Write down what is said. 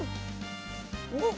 おっ！